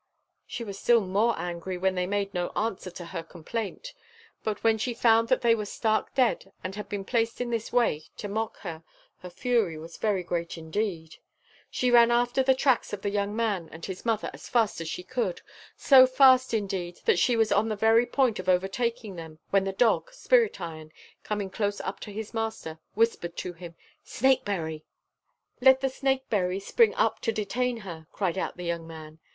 She was still more angry when they made no answer to her complaint; but when she found that they were stark dead and had been placed in this way to mock her, her fury was very great indeed. She ran after the tracks of the young man and his mother as fast as she could; so fast, indeed, that she was on the very point of overtaking them, when the dog, Spirit Iron, coming close up to his master, whispered to him "Snake berry!" "Let the snakeberry spring up to detain her!" cried out the young man.